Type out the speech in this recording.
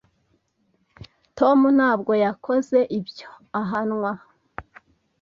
Tom ntabwo yakoze ibyo ahanwa.